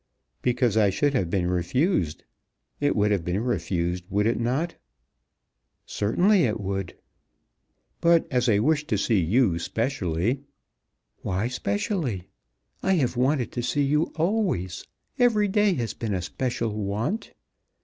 "Because I should have been refused. It would have been refused; would it not?" "Certainly it would." "But as I wish to see you specially " "Why specially? I have wanted to see you always. Every day has been a special want.